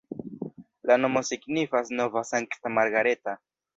La nomo signifas nova-sankta-Margareta.